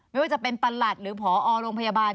ไม่ว่าจะเป็นประหลัดหรือผอโรงพยาบาล